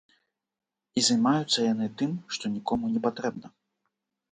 І займаюцца яны тым, што нікому не патрэбна.